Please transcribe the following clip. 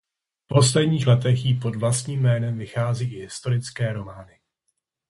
V posledních letech jí pod vlastním jménem vychází i historické romány.